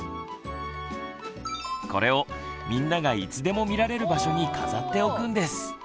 これをみんながいつでも見られる場所に飾っておくんです。